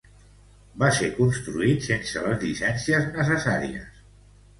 Va ser construït sense les llicències necessàries.